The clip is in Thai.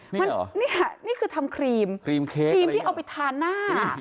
นี่หรอนี่ค่ะนี่คือทำครีมครีมเค้กครีมที่เอาไปทาหน้า